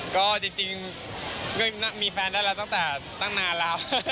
ก็จริงมีแฟนได้แล้วตั้งแต่ตั้งนานแล้ว